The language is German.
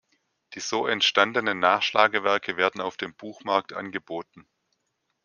Die so entstandenen Nachschlagewerke werden auf dem Buchmarkt angeboten.